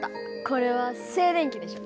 これは静電気でしょ。